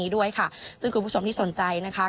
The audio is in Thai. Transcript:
ด้วยค่ะซึ่งคุณผู้ชมที่สนใจนะคะ